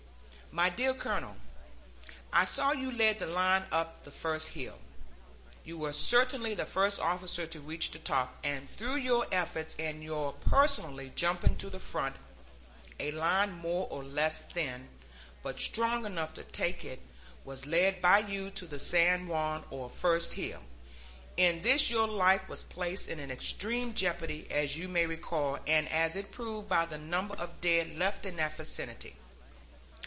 MY DEAR COLONEL: I saw you lead the line up the first hill you were certainly the first officer to reach the top and through your efforts, and your personally jumping to the front, a line more or less thin, but strong enough to take it, was led by you to the San Juan or first hill. In this your life was placed in extreme jeopardy, as you may recall, and as it proved by the number of dead left in that vicinity.